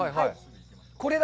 これだ。